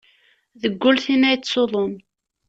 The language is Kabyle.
Deg ul tin ad yettṣuḍun.